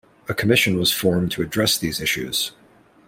A commission was formed to address these issues.